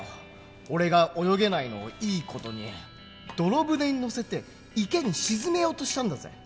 俺が泳げないのをいい事に泥舟に乗せて池に沈めようとしたんだぜ。